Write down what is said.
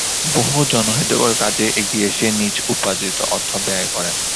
বহু জনহিতকর কাজে এগিয়ে এসে নিজ উপার্জিত অর্থ ব্যয় করেন।